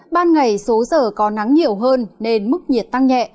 ban ngày số giờ có nắng nhiều hơn nên mức nhiệt tăng nhẹ